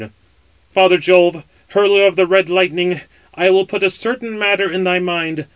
"Father Jove, hurler of the red lightning, I will put a certain matter in thy mind.